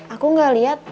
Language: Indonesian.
aku gak liat